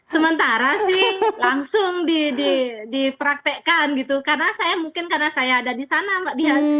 sementara sih langsung dipraktekkan gitu karena saya mungkin karena saya ada di sana mbak dian